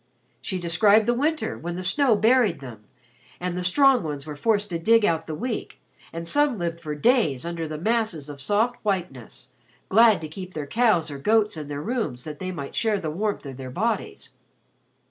She described the winter when the snow buried them and the strong ones were forced to dig out the weak and some lived for days under the masses of soft whiteness, glad to keep their cows or goats in their rooms that they might share the warmth of their bodies.